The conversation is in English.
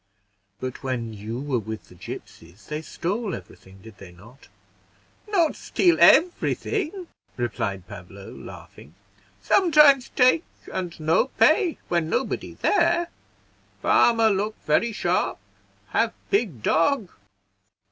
"But when you were with the gipsies, they stole every thing, did they not?" "Not steal every thing," replied Pablo, laughing; "sometimes take and no pay when nobody there; farmer look very sharp have big dog."